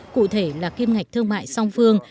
cụ thể là kim ngạch thương mại song phương